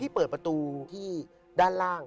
ประตูที่ด้านล่าง